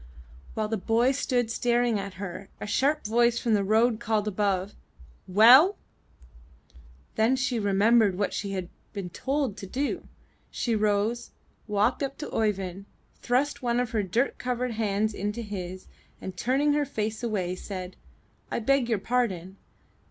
*' While the boy stood staring at her, a sharp voice from the road above called, ''WellT' Then she remembered what she had been told to do; she rose, walked up to Oeyvind, thrust one of her dirt covered hands into his, and turning her face away said, *1 beg your pardon!